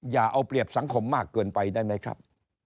อย่าเอาเปรียบสังคมมากเกินไปได้ไหมครับ